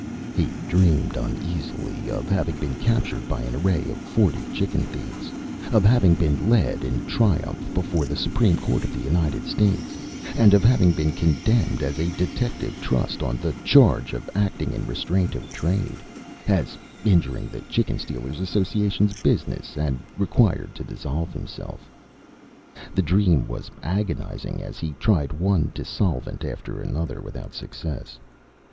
He dreamed, uneasily, of having been captured by an array of forty chicken thieves, of having been led in triumph before the Supreme Court of the United States, and of having been condemned as a Detective Trust on the charge of acting in restraint of trade as injuring the Chicken Stealers' Association's business and required to dissolve himself. The dream was agonizing as he tried one dissolvent after another without success.